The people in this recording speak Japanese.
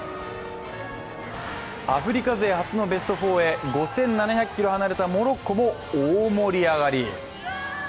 アフリカ勢初のベスト４へ５７００ｋｍ離れたモロッコも、大盛り上がり。